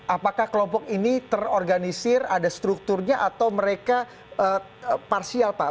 apakah kelompok ini terorganisir ada strukturnya atau mereka parsial pak